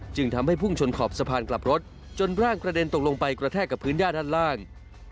จึงทำให้พุ่งชนขอบสะพานกลับรถจนร่างกระเด็นตกลงไปกระแทกกับพื้นย่าด้านล่าง